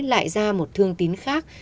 lại ra một thương tín khác